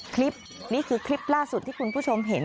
คลิปนี้คือคลิปล่าสุดที่คุณผู้ชมเห็น